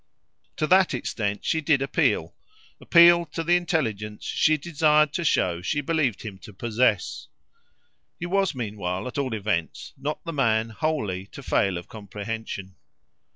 To that extent she did appeal appealed to the intelligence she desired to show she believed him to possess. He was meanwhile, at all events, not the man wholly to fail of comprehension.